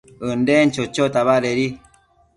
ënden chochota badedi